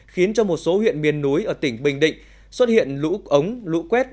khiến cho một số huyện miền núi ở tỉnh bình định xuất hiện lũ ống lũ quét